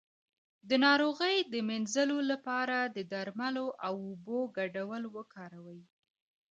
د ناروغۍ د مینځلو لپاره د درملو او اوبو ګډول وکاروئ